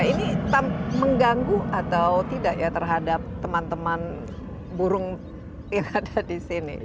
ini mengganggu atau tidak ya terhadap teman teman burung yang ada di sini